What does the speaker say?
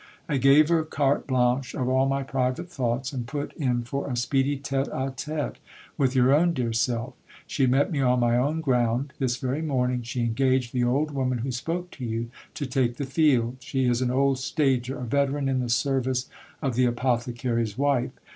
I gave her carte blanche of all my private thoughts, and put in for a speedy tete a tete with your own dear self. She met me on my own ground. This very morning she engaged the old woman who spoke to you, to take the field : she is an old stager, a veteran in the sendee of the apothecary's wife.